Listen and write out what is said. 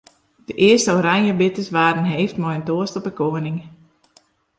De earste oranjebitters waarden heefd mei in toast op 'e koaning.